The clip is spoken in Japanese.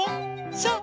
そう。